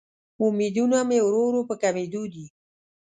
امیدونه مې ورو ورو په کمیدو دې